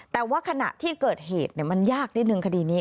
แต่ว่าขณะที่เกิดเหตุมันยากนิดนึงคดีนี้